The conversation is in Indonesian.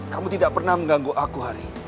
kamu tidak pernah mengganggu aku hari